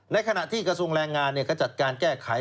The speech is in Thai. ในขณะที่กระทรวงแรงงานก็จัดการแก้ไข